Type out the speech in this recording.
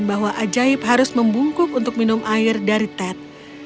bahwa ajaib harus membungkuk untuk minum air dari ted